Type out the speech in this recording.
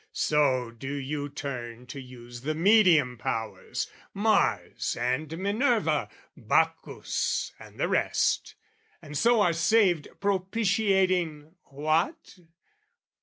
So do you turn to use the medium powers, Mars and Minerva, Bacchus and the rest, And so are saved propitiating what?